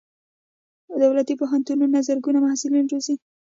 دولتي پوهنتونونه زرګونه محصلین روزي.